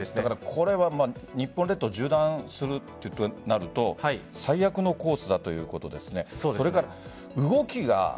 これは日本列島を縦断するとなると最悪のコースだということですね。